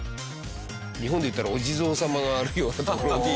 日本で言ったらお地蔵様があるような所に。